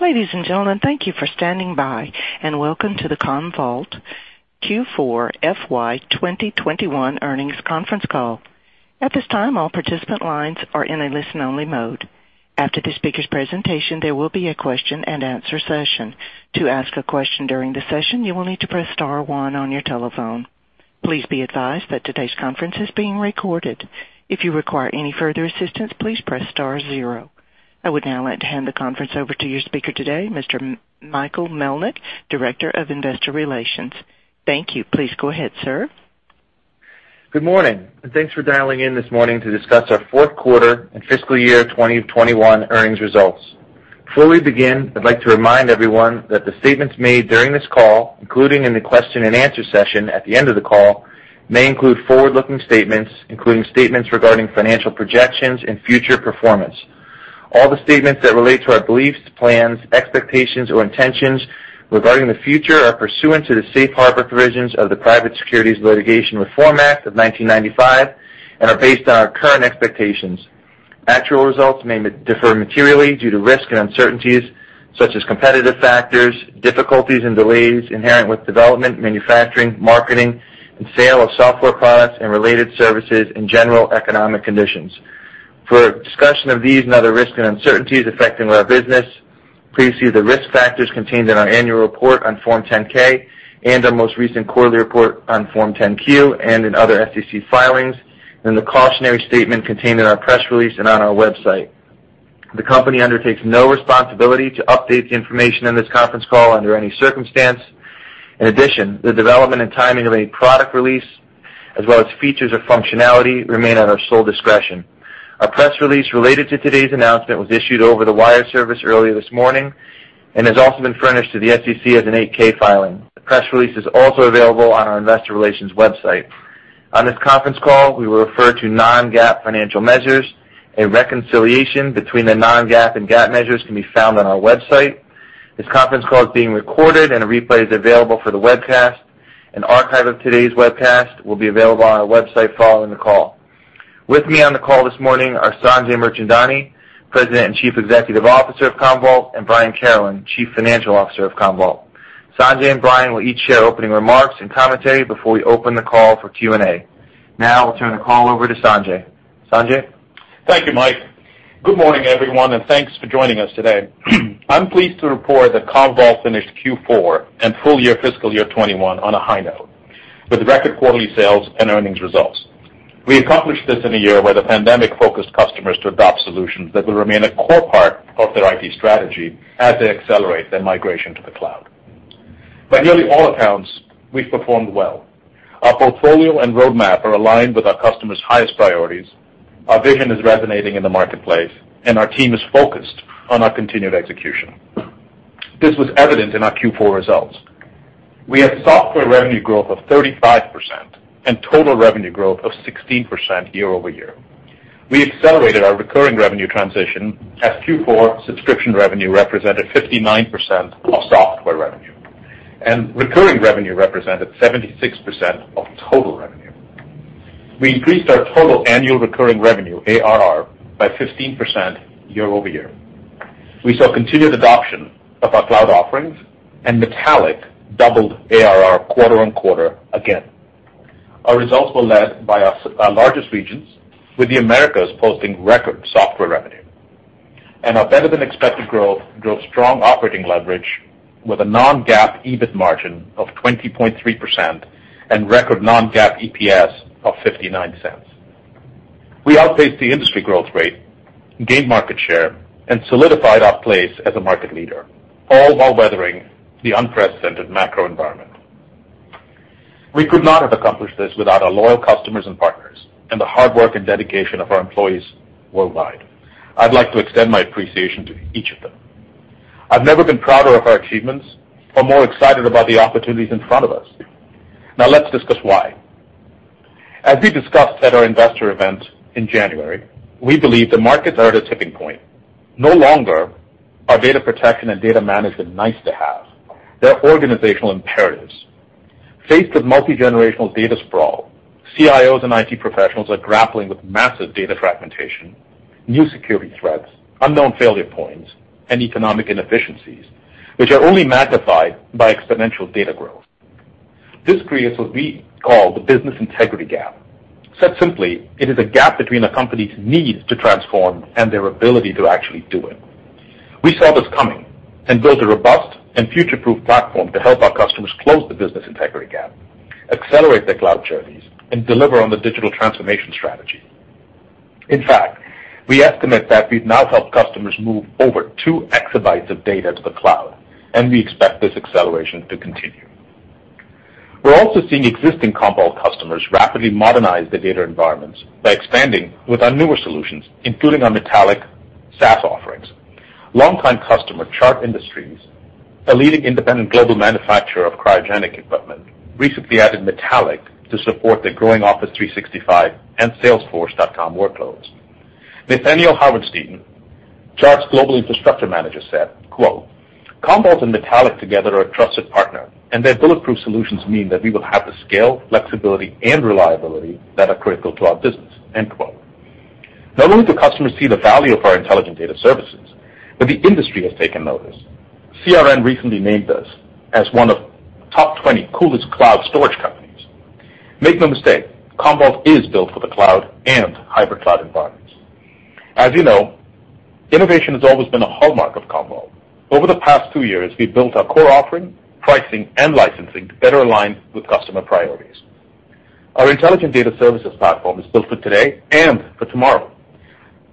Ladies and gentlemen, thank you for standing by, and welcome to the Commvault Q4 FY 2021 Earnings Conference Call. At this time, all participant lines are in a listen-only mode. After the speaker's presentation, there will be a question-and-answer session. To ask a question during the session, you will need to press star one on your telephone. Please be advised that today's conference is being recorded. If you require any further assistance, please press star zero. I would now like to hand the conference over to your speaker today, Mr. Michael Melnyk, Director of Investor Relations. Thank you. Please go ahead, sir. Good morning. Thanks for dialing in this morning to discuss our fourth quarter and fiscal year 2021 earnings results. Before we begin, I'd like to remind everyone that the statements made during this call, including in the question-and-answer session at the end of the call, may include forward-looking statements, including statements regarding financial projections and future performance. All the statements that relate to our beliefs, plans, expectations, or intentions regarding the future are pursuant to the safe harbor provisions of the Private Securities Litigation Reform Act of 1995 and are based on our current expectations. Actual results may differ materially due to risks and uncertainties such as competitive factors, difficulties, and delays inherent with the development, manufacturing, marketing, and sale of software products and related services, and general economic conditions. For a discussion of these and other risks and uncertainties affecting our business, please see the risk factors contained in our annual report on Form 10-K and our most recent quarterly report on Form 10-Q and in other SEC filings, and the cautionary statement contained in our press release and on our website. The company undertakes no responsibility to update the information in this conference call under any circumstance. In addition, the development and timing of any product release, as well as features or functionality, remain at our sole discretion. Our press release related to today's announcement was issued over the wire service earlier this morning and has also been furnished to the SEC as an 8-K filing. The press release is also available on our investor relations website. On this conference call, we will refer to non-GAAP financial measures. A reconciliation between the non-GAAP and GAAP measures can be found on our website. This conference call is being recorded, and a replay is available for the webcast. An archive of today's webcast will be available on our website following the call. With me on the call this morning are Sanjay Mirchandani, President and Chief Executive Officer of Commvault, and Brian Carolan, Chief Financial Officer of Commvault. Sanjay and Brian will each share opening remarks and commentary before we open the call for Q&A. Now I'll turn the call over to Sanjay. Sanjay? Thank you, Mike. Good morning, everyone, and thanks for joining us today. I'm pleased to report that Commvault finished Q4 and full year fiscal year 2021 on a high note with record quarterly sales and earnings results. We accomplished this in a year where the pandemic focused customers to adopt solutions that will remain a core part of their IT strategy as they accelerate their migration to the cloud. By nearly all accounts, we've performed well. Our portfolio and roadmap are aligned with our customers' highest priorities, our vision is resonating in the marketplace, and our team is focused on our continued execution. This was evident in our Q4 results. We had software revenue growth of 35% and total revenue growth of 16% year-over-year. We accelerated our recurring revenue transition as Q4 subscription revenue represented 59% of software revenue, and recurring revenue represented 76% of total revenue. We increased our total Annual Recurring Revenue, ARR, by 15% year-over-year. We saw continued adoption of our cloud offerings, and Metallic doubled ARR quarter-on-quarter again. Our results were led by our largest regions, with the Americas posting record software revenue. Our better-than-expected growth drove strong operating leverage with a non-GAAP EBIT margin of 20.3% and record non-GAAP EPS of $0.59. We outpaced the industry growth rate, gained market share, and solidified our place as a market leader, all while weathering the unprecedented macro environment. We could not have accomplished this without our loyal customers and partners and the hard work and dedication of our employees worldwide. I'd like to extend my appreciation to each of them. I've never been prouder of our achievements or more excited about the opportunities in front of us. Now let's discuss why. As we discussed at our investor event in January, we believe the markets are at a tipping point. No longer are data protection and data management nice to have. They're organizational imperatives. Faced with multi-generational data sprawl, CIOs and IT professionals are grappling with massive data fragmentation, new security threats, unknown failure points, and economic inefficiencies, which are only magnified by exponential data growth. This creates what we call the business integrity gap. Said simply, it is a gap between a company's need to transform and its ability to actually do it. We saw this coming and built a robust and future-proof platform to help our customers close the business integrity gap, accelerate their cloud journeys, and deliver on the digital transformation strategy. In fact, we estimate that we've now helped customers move over 2EB of data to the cloud, and we expect this acceleration to continue. We're also seeing existing Commvault customers rapidly modernize their data environments by expanding with our newer solutions, including our Metallic SaaS offerings. Longtime customer Chart Industries, a leading independent global manufacturer of cryogenic equipment, recently added Metallic to support their growing Office 365 and Salesforce.com workloads. Nathaniel Howardsten, Chart's global infrastructure manager, said, Commvault and Metallic together are a trusted partner, and their bulletproof solutions mean that we will have the scale, flexibility, and reliability that are critical to our business. End quote. Not only do customers see the value of our intelligent data services, but the industry has taken notice. CRN recently named us as one of the top 20 coolest cloud storage companies. Make no mistake, Commvault is built for the cloud and hybrid cloud environments. As you know, innovation has always been a hallmark of Commvault. Over the past two years, we've built our core offering, pricing, and licensing to better align with customer priorities. Our intelligent data services platform is built for today and for tomorrow,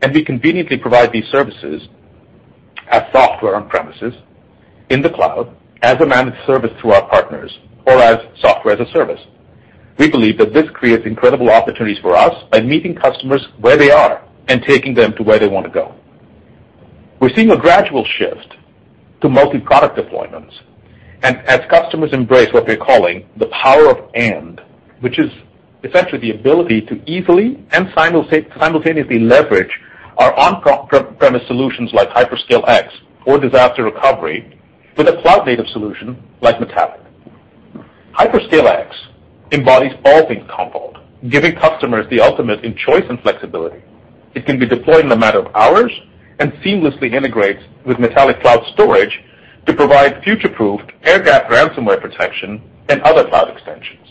and we conveniently provide these services as software on-premises, in the cloud, as a managed service through our partners, or as software as a service. We believe that this creates incredible opportunities for us by meeting customers where they are and taking them to where they want to go. We're seeing a gradual shift to multi-product deployments as customers embrace what we're calling the Power of AND, which is essentially the ability to easily and simultaneously leverage our on-premise solutions like HyperScale X or disaster recovery with a cloud-native solution like Metallic. HyperScale X embodies all things Commvault, giving customers the ultimate in choice and flexibility. It can be deployed in a matter of hours and seamlessly integrates with Metallic cloud storage to provide future-proofed air gap ransomware protection and other cloud extensions.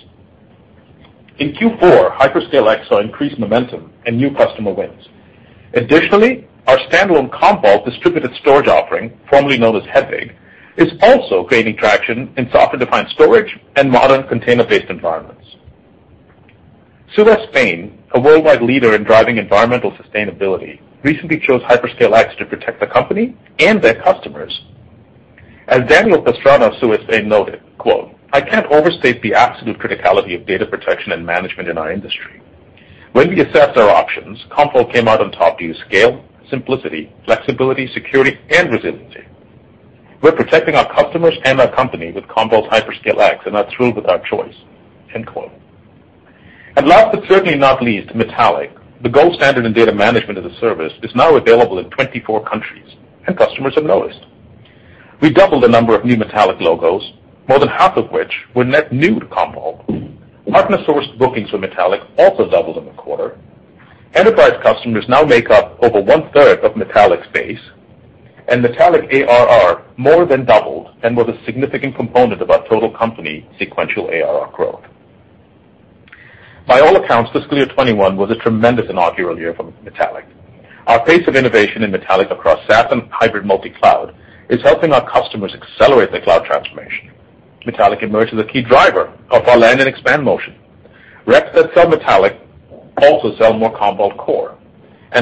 In Q4, HyperScale X saw increased momentum and new customer wins. Additionally, our standalone Commvault distributed storage offering, formerly known as Hedvig, is also gaining traction in software-defined storage and modern container-based environments. Suez Spain, a worldwide leader in driving environmental sustainability, recently chose HyperScale X to protect the company and their customers. As Daniel Pastrana of Suez, Spain, noted, I can't overstate the absolute criticality of data protection and management in our industry. When we assessed our options, Commvault came out on top due to scale, simplicity, flexibility, security, and resiliency. We're protecting our customers and our company with Commvault's HyperScale X and are thrilled with our choice. End quote. Last but certainly not least, Metallic. The gold standard in data management as a service is now available in 24 countries, and customers have noticed. We doubled the number of new Metallic logos, more than half of which were net new to Commvault. Partner-sourced bookings for Metallic also doubled in the quarter. Enterprise customers now make up over one-third of Metallic's base, and Metallic ARR more than doubled and was a significant component of our total company sequential ARR growth. By all accounts, fiscal year 2021 was a tremendous inaugural year for Metallic. Our pace of innovation in Metallic across SaaS and hybrid multi-cloud is helping our customers accelerate their cloud transformation. Metallic emerged as a key driver of our land and expansion motion. Reps that sell Metallic also sell more Commvault cores.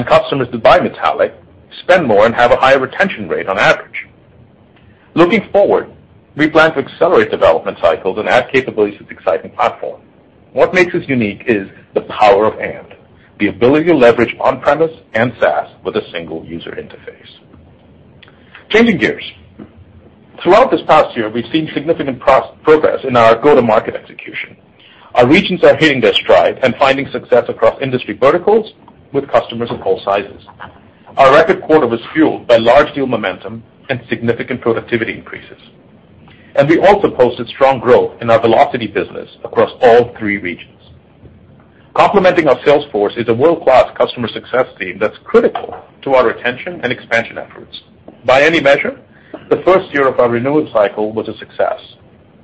Customers that buy Metallic spend more and have a higher retention rate on average. Looking forward, we plan to accelerate development cycles and add capabilities to this exciting platform. What makes us unique is the Power of AND, the ability to leverage on-premise and SaaS with a single user interface. Changing gears. Throughout this past year, we've seen significant progress in our go-to-market execution. Our regions are hitting their stride and finding success across industry verticals with customers of all sizes. Our record quarter was fueled by large deal momentum and significant productivity increases. We also posted strong growth in our velocity business across all three regions. Complementing our sales force is a world-class customer success team that's critical to our retention and expansion efforts. By any measure, the first year of our renewal cycle was a success.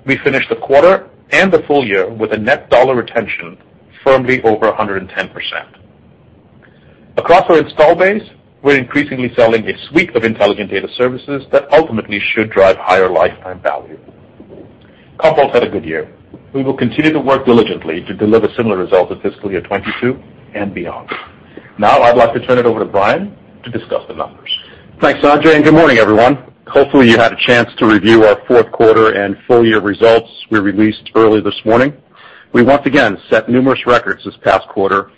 We finished the quarter and the full year with a net dollar retention firmly over 110%. Across our install base, we're increasingly selling a suite of intelligent data services that ultimately should drive higher lifetime value. Commvault's had a good year. We will continue to work diligently to deliver similar results in fiscal year 2022 and beyond. Now, I'd like to turn it over to Brian to discuss the numbers. Thanks, Sanjay, and good morning, everyone. Hopefully, you had a chance to review our fourth quarter and full-year results we released early this morning. We once again set numerous records this past quarter, and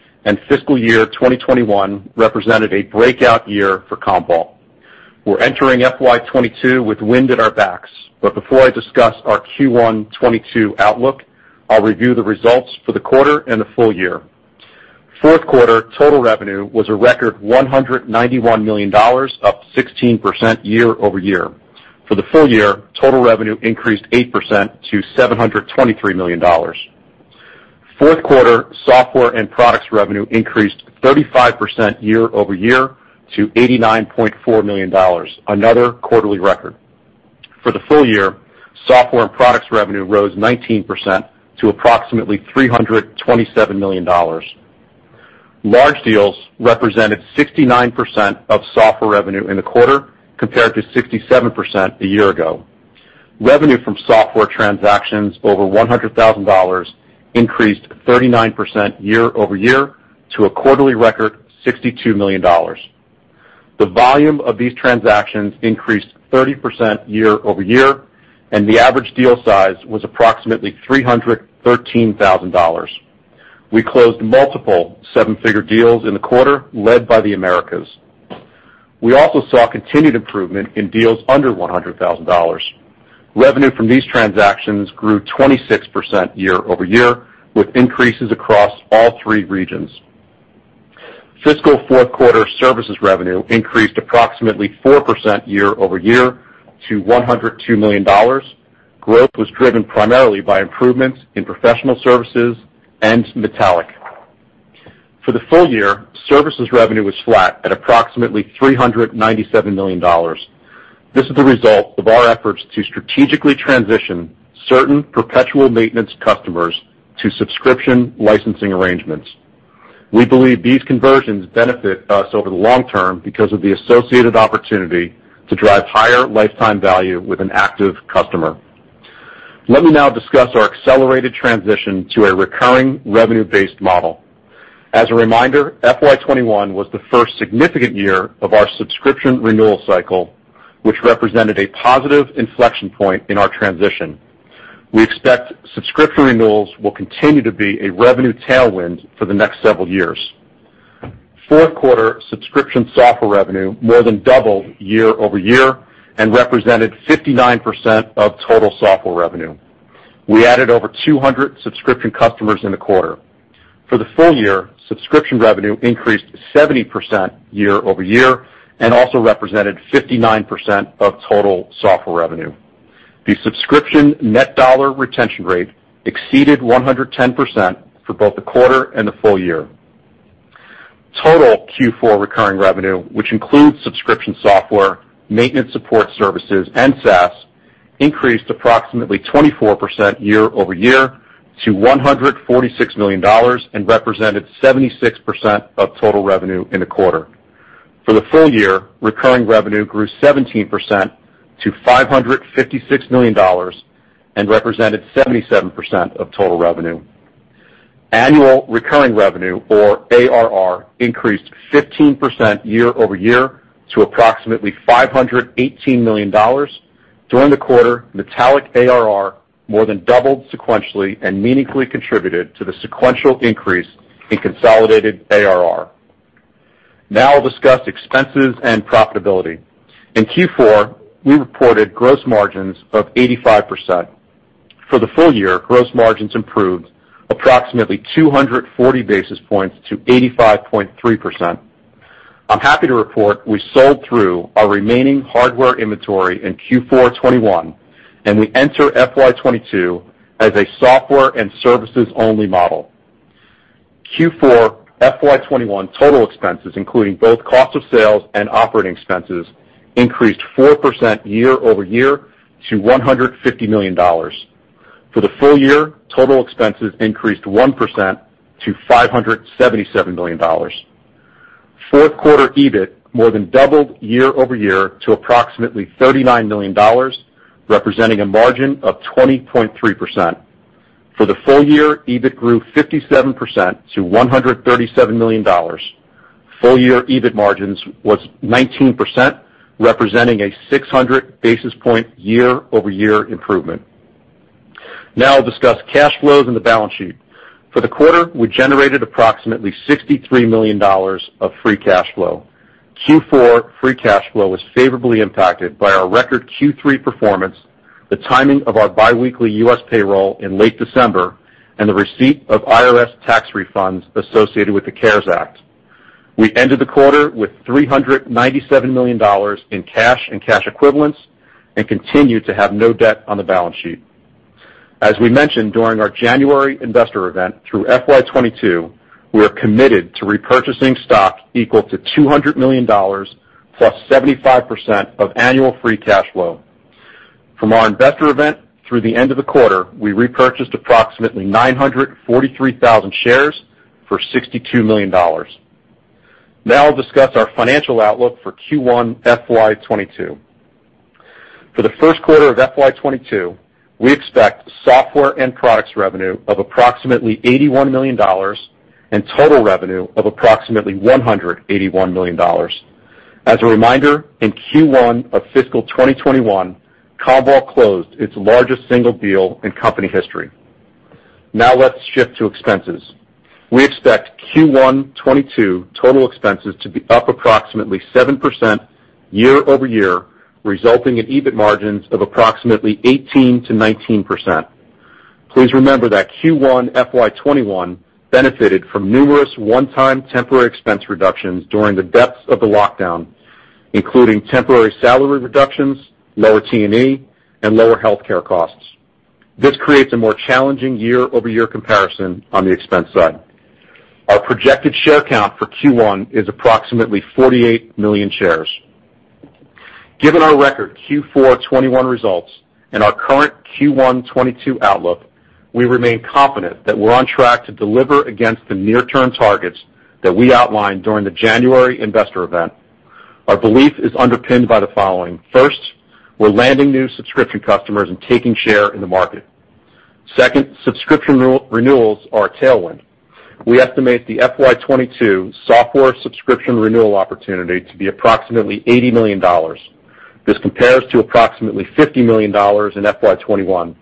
fiscal year 2021 represented a breakout year for Commvault. We're entering FY 2022 with wind at our backs. Before I discuss our Q1 2022 outlook, I'll review the results for the quarter and the full year. Fourth quarter total revenue was a record $191 million, up 16% year-over-year. For the full year, total revenue increased 8% to $723 million. Fourth quarter software and products revenue increased 35% year-over-year to $89.4 million, another quarterly record. For the full year, software and products revenue rose 19% to approximately $327 million. Large deals represented 69% of software revenue in the quarter, compared to 67% a year ago. Revenue from software transactions over $100,000 increased 39% year-over-year to a quarterly record, $62 million. The volume of these transactions increased 30% year-over-year, and the average deal size was approximately $313,000. We closed multiple seven-figure deals in the quarter, led by the Americas. We also saw continued improvement in deals under $100,000. Revenue from these transactions grew 26% year-over-year, with increases across all three regions. Fiscal fourth quarter services revenue increased approximately 4% year-over-year to $102 million. Growth was driven primarily by improvements in professional services and metallic. For the full year, services revenue was flat at approximately $397 million. This is the result of our efforts to strategically transition certain perpetual maintenance customers to subscription licensing arrangements. We believe these conversions benefit us over the long term because of the associated opportunity to drive higher lifetime value with an active customer. Let me now discuss our accelerated transition to a recurring revenue-based model. As a reminder, FY 2021 was the first significant year of our subscription renewal cycle, which represented a positive inflection point in our transition. We expect subscription renewals will continue to be a revenue tailwind for the next several years. Fourth quarter subscription software revenue more than doubled year-over-year and represented 59% of total software revenue. We added over 200 subscription customers in the quarter. For the full year, subscription revenue increased 70% year-over-year and also represented 59% of total software revenue. The subscription net dollar retention rate exceeded 110% for both the quarter and the full year. Total Q4 recurring revenue, which includes subscription software, maintenance support services, and SaaS, increased approximately 24% year-over-year to $146 million and represented 76% of total revenue in the quarter. For the full year, recurring revenue grew 17% to $556 million and represented 77% of total revenue. Annual recurring revenue or ARR increased 15% year-over-year to approximately $518 million. During the quarter, Metallic ARR more than doubled sequentially and meaningfully contributed to the sequential increase in consolidated ARR. Now I'll discuss expenses and profitability. In Q4, we reported gross margins of 85%. For the full year, gross margins improved approximately 240 basis points to 85.3%. I'm happy to report we sold through our remaining hardware inventory in Q4 2021, and we enter FY 2022 as a software and services-only model. Q4 FY 2021 total expenses, including both cost of sales and operating expenses, increased 4% year-over-year to $150 million. For the full year, total expenses increased 1% to $577 million. Fourth quarter EBIT more than doubled year-over-year to approximately $39 million, representing a margin of 20.3%. For the full year, EBIT grew 57% to $137 million. Full-year EBIT margins were 19%, representing a 600 basis point year-over-year improvement. Now I'll discuss cash flows and the balance sheet. For the quarter, we generated approximately $63 million of free cash flow. Q4 free cash flow was favorably impacted by our record Q3 performance, the timing of our biweekly U.S. payroll in late December, and the receipt of IRS tax refunds associated with the CARES Act. We ended the quarter with $397 million in cash and cash equivalents and continue to have no debt on the balance sheet. As we mentioned during our January investor event, through FY 2022, we are committed to repurchasing stock equal to $200 million +75% of annual free cash flow. From our investor event through the end of the quarter, we repurchased approximately 943,000 shares for $62 million. I'll discuss our financial outlook for Q1 FY 2022. For the first quarter of FY 2022, we expect software and products revenue of approximately $81 million and total revenue of approximately $181 million. As a reminder, in Q1 of fiscal 2021, Commvault closed its largest single deal in company history. Let's shift to expenses. We expect Q1 2022 total expenses to be up approximately 7% year-over-year, resulting in EBIT margins of approximately 18%-19%. Please remember that Q1 FY 2021 benefited from numerous one-time temporary expense reductions during the depths of the lockdown, including temporary salary reductions, lower T&E, and lower healthcare costs. This creates a more challenging year-over-year comparison on the expense side. Our projected share count for Q1 is approximately 48 million shares. Given our record Q4 2021 results and our current Q1 2022 outlook, we remain confident that we're on track to deliver against the near-term targets that we outlined during the January investor event. Our belief is underpinned by the following. First, we're landing new subscription customers and taking share in the market. Second, subscription renewals are a tailwind. We estimate the FY 2022 software subscription renewal opportunity to be approximately $80 million. This compares to approximately $50 million in FY 2021.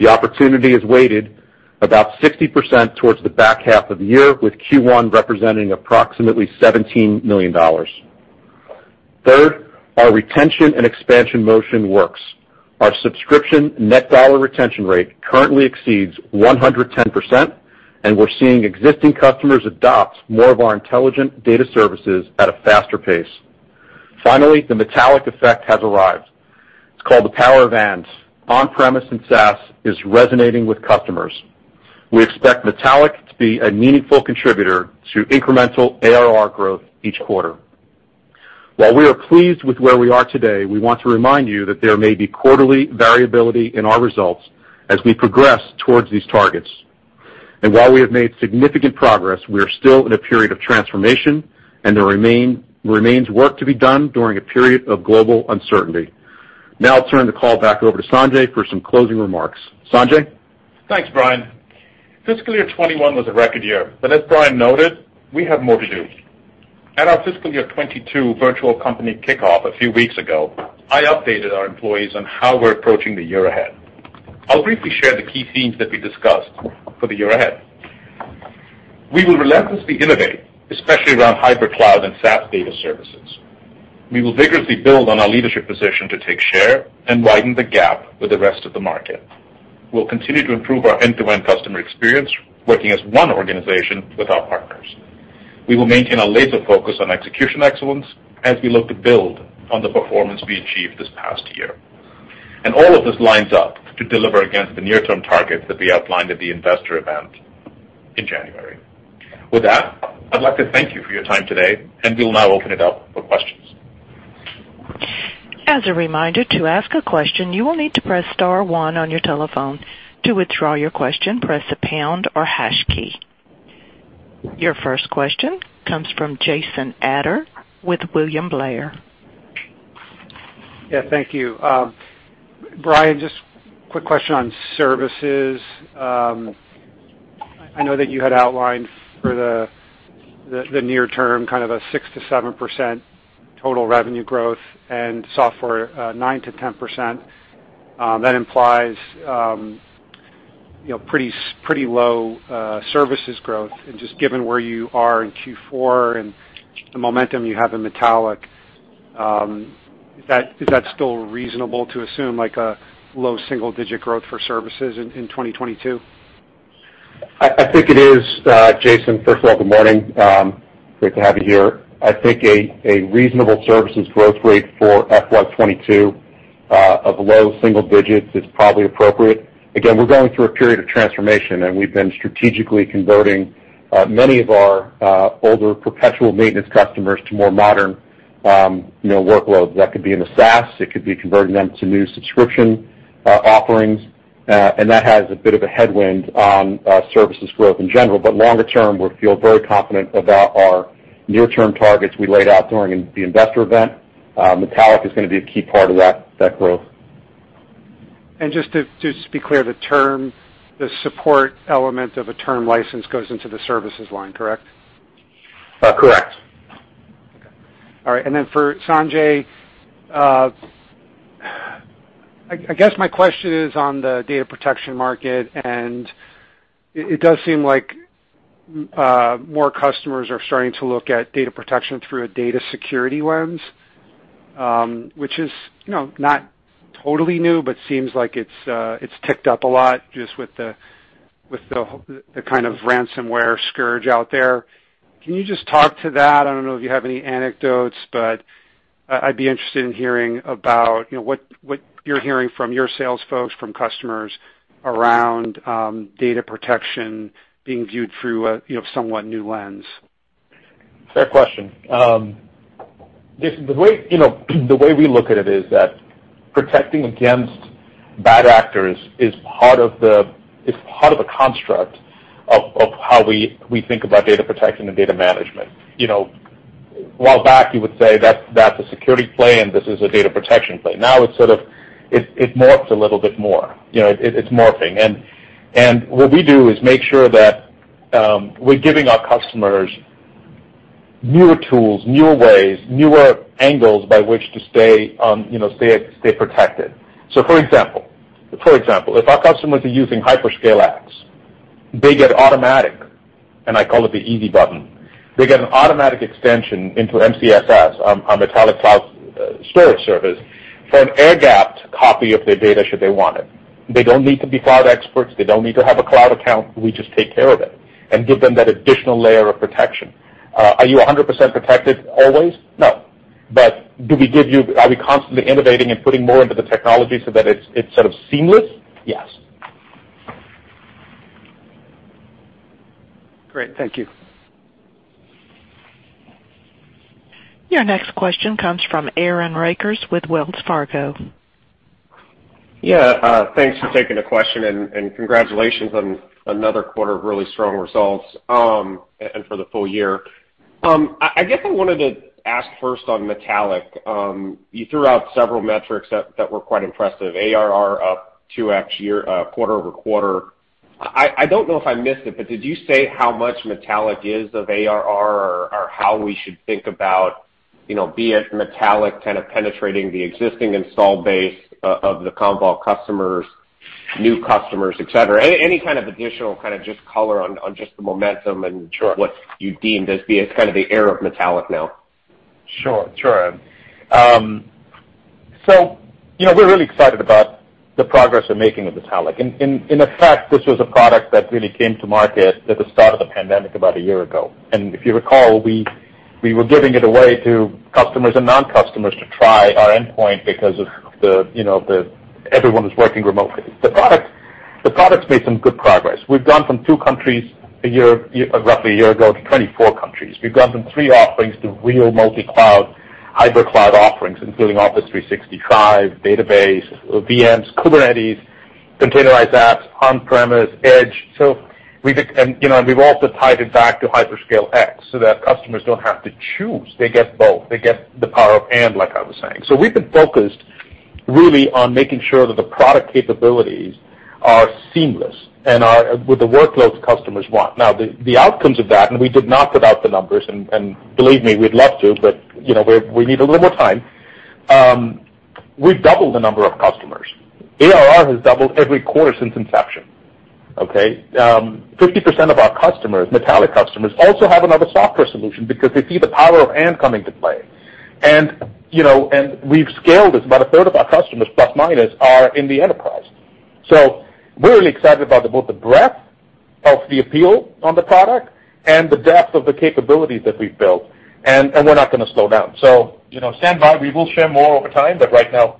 The opportunity is weighted about 60% towards the back half of the year, with Q1 representing approximately $17 million. Third, our retention and expansion motion works. Our subscription net dollar retention rate currently exceeds 110%, and we're seeing existing customers adopt more of our intelligent data services at a faster pace. Finally, the Metallic effect has arrived. It's called the Power of AND. On-premise and SaaS are resonating with customers. We expect Metallic to be a meaningful contributor to incremental ARR growth each quarter. While we are pleased with where we are today, we want to remind you that there may be quarterly variability in our results as we progress towards these targets. While we have made significant progress, we are still in a period of transformation, and there remains work to be done during a period of global uncertainty. I'll turn the call back over to Sanjay for some closing remarks. Sanjay? Thanks, Brian. Fiscal year 2021 was a record year. As Brian noted, we have more to do. At our fiscal year 2022 virtual company kickoff a few weeks ago, I updated our employees on how we're approaching the year ahead. I'll briefly share the key themes that we discussed for the year ahead. We will relentlessly innovate, especially around hybrid cloud and SaaS data services. We will vigorously build on our leadership position to take share and widen the gap with the rest of the market. We'll continue to improve our end-to-end customer experience, working as one organization with our partners. We will maintain a laser focus on execution excellence as we look to build on the performance we achieved this past year. All of this lines up to deliver against the near-term targets that we outlined at the investor event in January. I'd like to thank you for your time today, and we'll now open it up for questions. As a reminder, to ask a question, you will need to press star one on your telephone. To withdraw your question, press the pound or hash key. Your first question comes from Jason Ader with William Blair. Yeah. Thank you. Brian, just a quick question on services. I know that you had outlined for the near term kind of a 6%-7% total revenue growth and software 9%-10%. That implies pretty low services growth. Just given where you are in Q4 and the momentum you have in Metallic, is it still reasonable to assume, like, low single-digit growth for services in 2022? I think it is, Jason. First of all, good morning. Great to have you here. I think a reasonable services growth rate for FY 2022 of low single-digits is probably appropriate. Again, we're going through a period of transformation, and we've been strategically converting many of our older perpetual maintenance customers to more modern workloads. That could be in the SaaS, it could be converting them to new subscription offerings, and that has a bit of a headwind on services growth in general. Longer term, we feel very confident about our near-term targets we laid out during the investor event. Metallic is going to be a key part of that growth. Just to be clear, the support element of a term license goes into the services line, right? Correct. Okay. All right. For Sanjay, I guess my question is on the data protection market, and it does seem like more customers are starting to look at data protection through a data security lens, which is not totally new but seems like it's ticked up a lot just with the kind of ransomware scourge out there. Can you just talk to that? I don't know if you have any anecdotes, but I'd be interested in hearing about what you're hearing from your sales folks and from customers around data protection being viewed through a somewhat new lens. Fair question. Jason, the way we look at it is that protecting against bad actors is part of a construct of how we think about data protection and data management. A while back you would say, That's a security play, and this is a data protection play. Now it morphs a little bit more. It's morphing. What we do is make sure that we're giving our customers newer tools, newer ways, and newer angles by which to stay protected. For example, if our customers are using HyperScale X, they get automatic updates, and I call it the easy button. They get an automatic extension into MCSS, our Metallic Cloud Storage Service, for an air-gapped copy of their data should they want it. They don't need to be cloud experts. They don't need to have a cloud account. We just take care of it and give them that additional layer of protection. Are you 100% protected always? No. Are we constantly innovating and putting more into the technology so that it's sort of seamless? Yes. Great. Thank you. Your next question comes from Aaron Rakers with Wells Fargo. Yeah. Thanks for taking the question, and congratulations on another quarter of really strong results and for the full year. I guess I wanted to ask first about Metallic. You threw out several metrics that were quite impressive. ARR up 2x quarter-over-quarter. I don't know if I missed it, but did you say how much Metallic is of ARR or how we should think about it? Metallic kind of penetrating the existing installed base of the Commvault customers? new customers, et cetera. Any additional kind of just color on just the momentum and— Sure ...what you deem as being kind of the era of Metallic now? Sure. We're really excited about the progress we're making with Metallic. In effect, this was a product that really came to market at the start of the pandemic about a year ago. If you recall, we were giving it away to customers and non-customers to try our endpoint because everyone was working remotely. The product's made some good progress. We've gone from two countries a year, roughly a year ago, to 24 countries. We've gone from three offerings to real multi-cloud, hyper-cloud offerings, including Office 365, databases, VMs, Kubernetes, containerized apps, On-premise, and Edge. We've also tied it back to HyperScale X so that customers don't have to choose. They get both. They get the power, like I was saying. We've been focused really on making sure that the product capabilities are seamless and are aligned with the workloads customers want. Now, the outcomes of that, and we did not put out the numbers, and believe me, we'd love to, but we need a little more time. We've doubled the number of customers. ARR has doubled every quarter since inception. Okay. 50% of our Metallic customers also have another software solution because they see the Power of AND coming into play. We've scaled as about a third of our customers, plus/minus, are in the enterprise. We're really excited about both the breadth of the appeal on the product and the depth of the capabilities that we've built, and we're not going to slow down. Stand by. We will share more over time, but right now,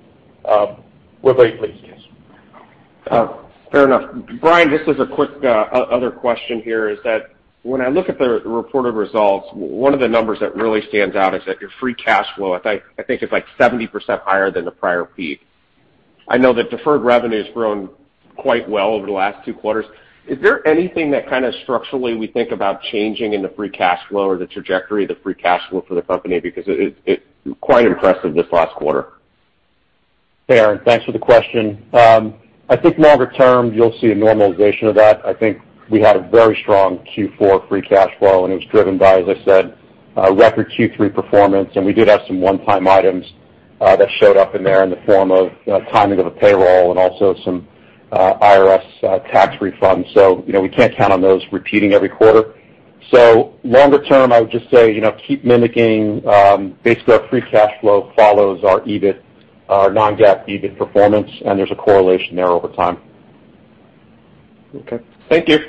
we're very pleased. Yes. Fair enough. Brian, this is a quick other question here is that when I look at the reported results, one of the numbers that really stands out is that your free cash flow, I think it's like 70% higher than the prior peak. I know that deferred revenue has grown quite well over the last two quarters. Is there anything that kind of structurally we think about changing in the free cash flow or the trajectory of the free cash flow for the company? Because it's quite impressive this last quarter. Hey, Aaron, thanks for the question. I think, longer-term, you'll see a normalization of that. I think we had a very strong Q4 free cash flow, and it was driven by, as I said, a record Q3 performance, and we did have some one-time items that showed up in there in the form of timing of a payroll and also some IRS tax refunds. We can't count on those repeating every quarter. Longer term, I would just say, keep mimicking. Basically, our free cash flow follows our non-GAAP EBIT performance, and there's a correlation there over time. Okay. Thank you.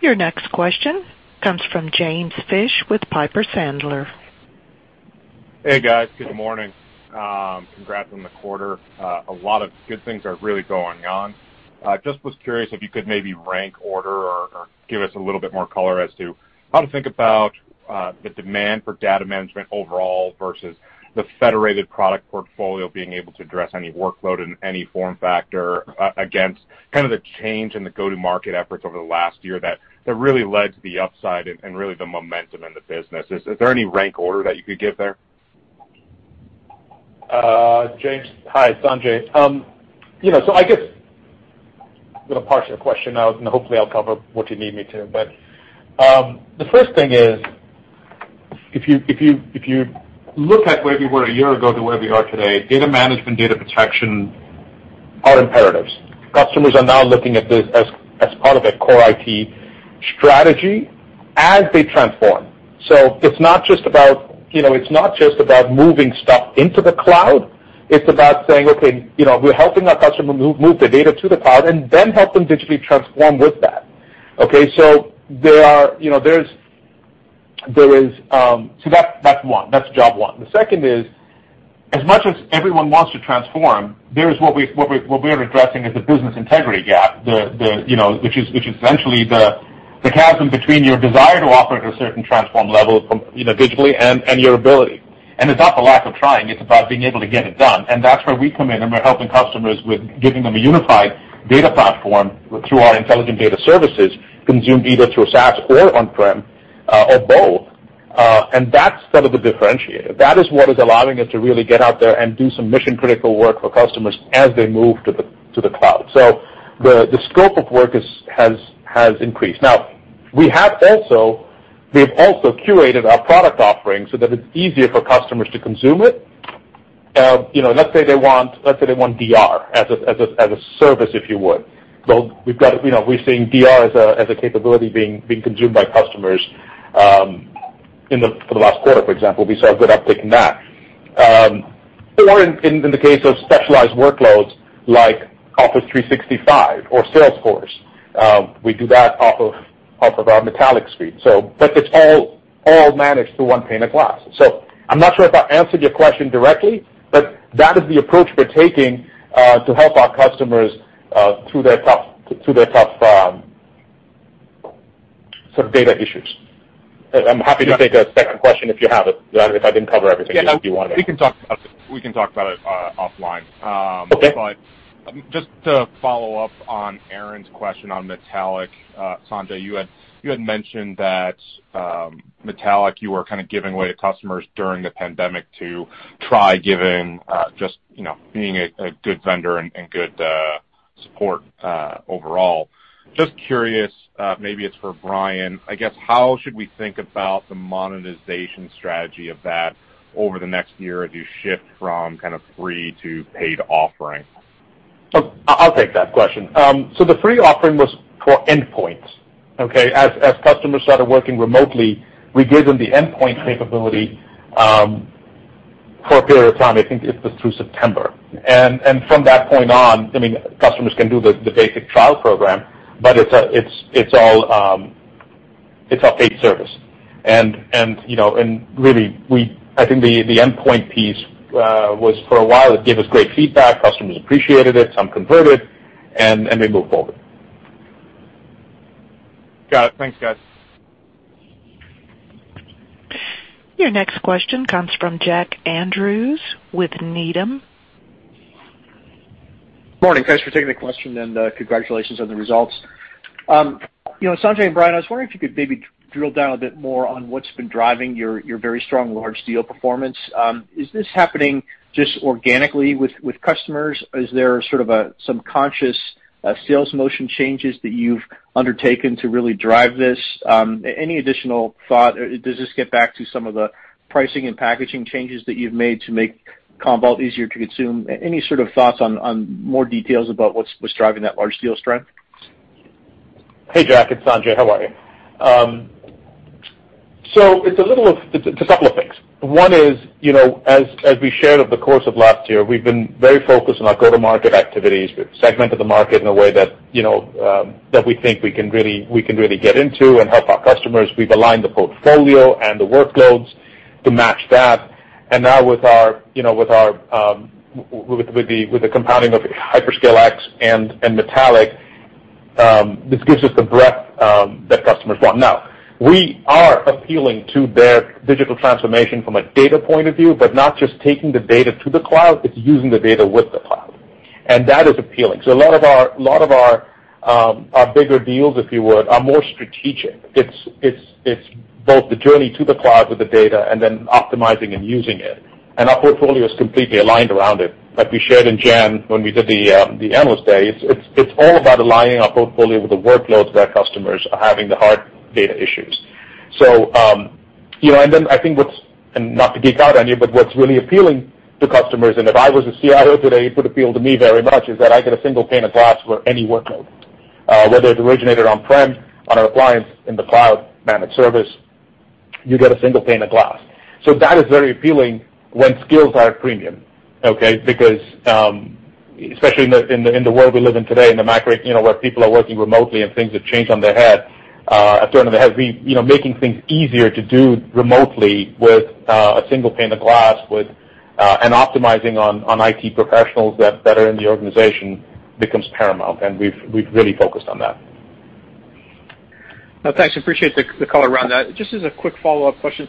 Your next question comes from James Fish with Piper Sandler. Hey, guys. Good morning. Congrats on the quarter. A lot of good things are really going on. I was just curious if you could maybe rank, order, or give us a little bit more color as to how to think about the demand for data management overall versus the federated product portfolio being able to address any workload in any form factor against kind of the change in the go-to-market efforts over the last year that really led to the upside and really the momentum in the business. Is there any rank order that you could give there? James, hi, it's Sanjay. I guess I'm going to parse your question out, and hopefully, I'll cover what you need me to. The first thing is, if you look at where we were a year ago to where we are today, data management and data protection are imperatives. Customers are now looking at this as part of their core IT strategy as they transform. It's not just about moving stuff into the cloud. It's about saying, okay, we're helping our customer move the data to the cloud and then help them digitally transform with that. Okay, that's one. That's job one. The second is, as much as everyone wants to transform, there is what we are addressing as a business integrity gap, which is essentially the chasm between your desire to operate at a certain transformed level digitally and your ability to do so. It's not for lack of trying. It's about being able to get it done. That's where we come in, and we're helping customers by giving them a unified data platform through our intelligent data services, consumed either through SaaS or On-prem or both. That's sort of the differentiator. That is what is allowing us to really get out there and do some mission-critical work for customers as they move to the cloud. The scope of work has increased. We've also curated our product offering so that it's easier for customers to consume it. Let's say they want DR as a service, if you would. We're seeing DR as a capability being consumed by customers for the last quarter, for example. We saw a good uptick in that. Or in the case of specialized workloads like Office 365 or Salesforce, we do that off of our Metallic suite. It's all managed through one pane of glass. I'm not sure if I answered your question directly, but that is the approach we're taking to help our customers through their tough sort of data issues. I'm happy to take a second question if you have it and if I didn't cover everything that you wanted me to. Yeah. We can talk about it offline. Okay. Just to follow up on Aaron's question on Metallic, Sanjay, you had mentioned that with Metallic, you were kind of giving it away to customers to try, just being a good vendor and good. Support overall. Just curious, maybe it's for Brian, I guess, how should we think about the monetization strategy of that over the next year as you shift from free to paid offerings? I'll take that question. The free offering was for endpoints. Okay. As customers started working remotely, we gave them the endpoint capability for a period of time, I think it was through September. From that point on, customers can do the basic trial program, but it's all paid service. Really, I think the endpoint piece was for a while, it gave us great feedback. Customers appreciated it, some converted, and then we moved forward. Got it. Thanks, guys. Your next question comes from Jack Andrews with Needham. Morning. Thanks for taking the question, and congratulations on the results. Sanjay and Brian, I was wondering if you could maybe drill down a bit more on what's been driving your very strong large deal performance. Is this happening just organically with customers? Are there sort of some conscious sales motion changes that you've undertaken to really drive this? Any additional thought? Does this get back to some of the pricing and packaging changes that you've made to make Commvault easier to consume? Any sort of thoughts on more details about what's driving that large deal's strength? Hey, Jack, it's Sanjay. How are you? It's a couple of things. One is, as we shared over the course of last year, we've been very focused on our go-to-market activities. We've segmented the market in a way that we think we can really get into and help our customers. We've aligned the portfolio and the workloads to match that. Now with the compounding of HyperScale X and Metallic, this gives us the breadth that customers want. Now, we are appealing to their digital transformation from a data point of view, but not just taking the data to the cloud, it's using the data with the cloud. That is appealing. A lot of our bigger deals, if you would, are more strategic. It's both the journey to the cloud with the data and then optimizing and using it. Our portfolio is completely aligned around it. Like we shared in January when we did the Analyst Day, it's all about aligning our portfolio with the workloads where customers are having the hard data issues. Not to geek out on you, but what's really appealing to customers, and if I were a CIO today, it would appeal to me very much, is that I get a single pane of glass for any workload. Whether it originated On-prem, on our appliance, in the cloud, or as a managed service, you get a single pane of glass. That is very appealing when skills are at a premium. Okay? Especially in the world we live in today, in the macro, where people are working remotely and things have turned on their heads, making things easier to do remotely with a single pane of glass, optimizing IT professionals that are in the organization becomes paramount, and we've really focused on that. Thanks. I appreciate the color around that. Just as a quick follow-up question.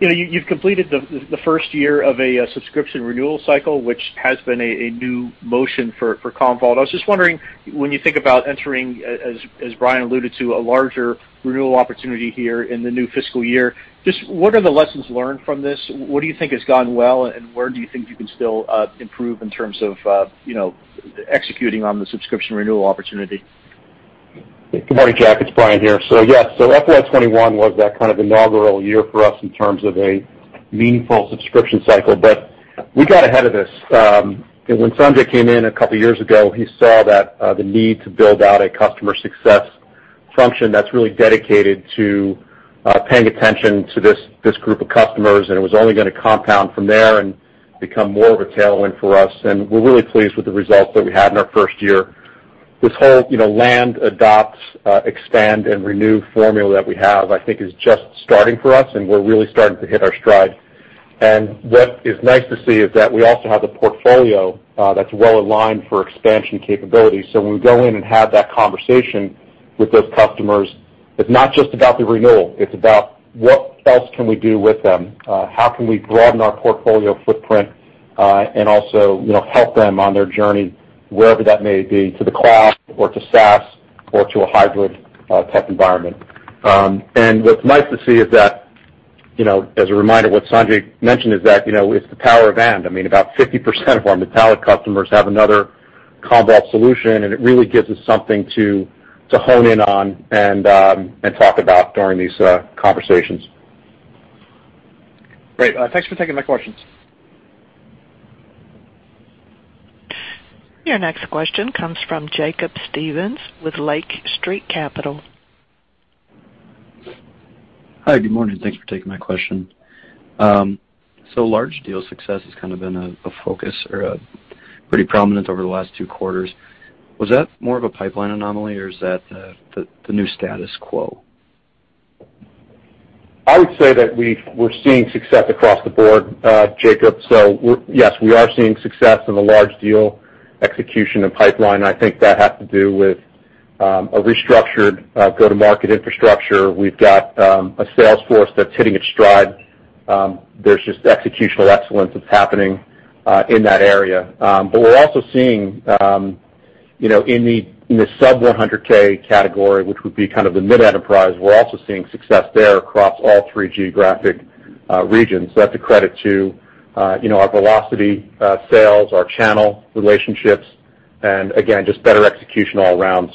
You've completed the first year of a subscription renewal cycle, which has been a new motion for Commvault. I was just wondering, when you think about entering, as Brian alluded to, a larger renewal opportunity here in the new fiscal year, just what are the lessons learned from this? What do you think has gone well, and where do you think you can still improve in terms of executing on the subscription renewal opportunity? Good morning, Jack. It's Brian here. Yes, FY 2021 was that kind of inaugural year for us in terms of a meaningful subscription cycle, but we got ahead of this. When Sanjay came in a couple of years ago, he saw the need to build out a customer success function that's really dedicated to paying attention to this group of customers, and it was only going to compound from there and become more of a tailwind for us. We're really pleased with the results that we had in our first year. This whole land, adopt, expand, and renew formula that we have, I think, is just starting for us. We're really starting to hit our stride. What is nice to see is that we also have the portfolio that's well-aligned for expansion capability. When we go in and have that conversation with those customers, it's not just about the renewal, it's about what else we can do with them, how we can broaden our portfolio footprint, and also help them on their journey, wherever that may be, to the cloud or to SaaS or to a hybrid-type environment. What's nice to see is that, as a reminder, what Sanjay mentioned is that it's the Power of AND. I mean, about 50% of our Metallic customers have another Commvault solution, and it really gives us something to hone in on and talk about during these conversations. Great. Thanks for taking my questions. Your next question comes from Jacob Stephan with Lake Street Capital. Hi, good morning. Thanks for taking my question. Large deal success has kind of been a focus or pretty prominent over the last two quarters. Was that more of a pipeline anomaly, or is that the new status quo? I would say that we're seeing success across the board, Jacob. Yes, we are seeing success in the large deal execution and pipeline. I think that has to do with a restructured go-to-market infrastructure. We've got a sales force that's hitting its stride. There's just executional excellence that's happening in that area. We're also seeing success in the sub-$100K category, which would be kind of the mid-enterprise, we're also seeing success there across all three geographic regions. That's a credit to our velocity sales, our channel relationships, and again, just better execution all around.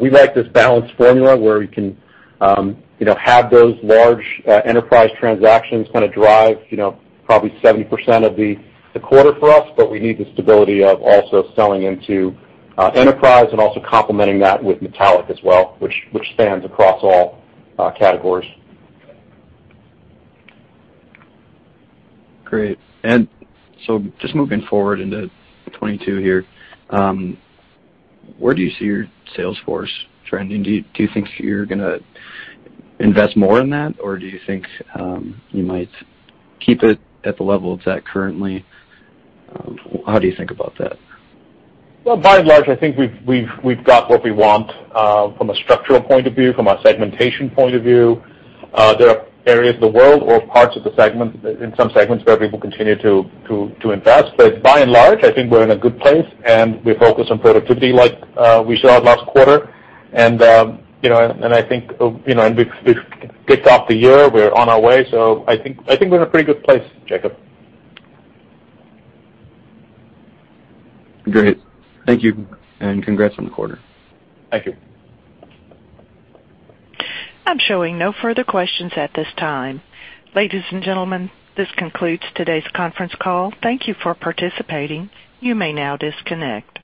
We like this balanced formula where we can have those large enterprise transactions drive probably 70% of the quarter for us, but we need the stability of also selling into enterprise and also complementing that with Metallic as well, which spans across all categories. Great. Just moving forward into 2022 here, where do you see your sales force trending? Do you think you're going to invest more in that, or do you think you might keep it at the level it's at currently? How do you think about that? Well, by and large, I think we've got what we want from a structural point of view, from a segmentation point of view. There are areas of the world or parts of the segment in some segments where we will continue to invest. By and large, I think we're in a good place, and we're focused on productivity like we showed last quarter. We've kicked off the year, we're on our way. I think we're in a pretty good place, Jacob. Great. Thank you. Congrats on the quarter. Thank you. I'm showing no further questions at this time. Ladies and gentlemen, this concludes today's conference call. Thank you for participating. You may now disconnect.